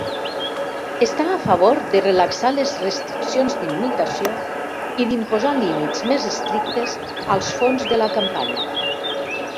Està a favor de relaxar les restriccions d'immigració i d'imposar límits més estrictes als fons de la campanya.